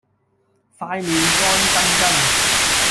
塊面乾爭爭